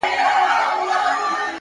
اخلاق د شخصیت تلپاتې نښه ده